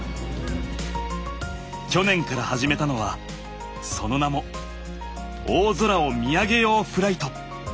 去年から始めたのはその名も「大空を見上げようフライト」。